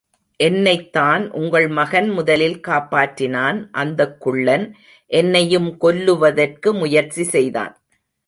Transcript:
என்னைத்தான் உங்கள் மகன் முதலில் காப்பாற்றினான், அந்தக் குள்ளன் என்னையும் கொல்லுவதற்கு முயற்சி செய்தான்.